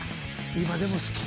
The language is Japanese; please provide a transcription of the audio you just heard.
今でも好き。